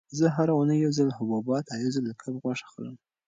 زه هره اونۍ یو ځل حبوبات او یو ځل د کب غوښه خورم.